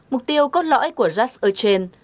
mục tiêu cốt lõi của just earth chain